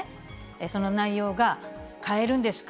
その内容が、買えるんですか？